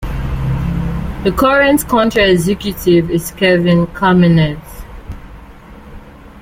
The current County Executive is Kevin Kamenetz.